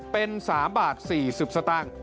เป็น๓บาท๔๐สต